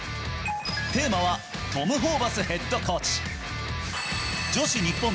テーマはトム・ホーバスヘッドコーチ。